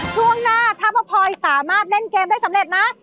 ช่วงหน้าถ้าป้าพลอยสามารถเล่นเกมได้สำเร็จนะ